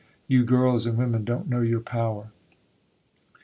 You girls and women don't know your power.